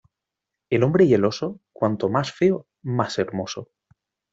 El hombre y el oso cuanto más feo más hermoso.